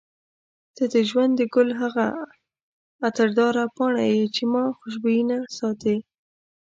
ته د ژوند د ګل هغه عطرداره پاڼه یې چې ما خوشبوینه ساتي.